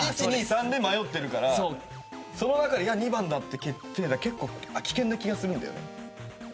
１２３で迷ってるからその中でいや２番だって決定打結構危険な気がするんだよね